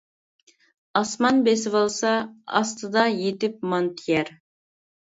ئاسمان بېسىۋالسا، ئاستىدا يېتىپ مانتا يەر.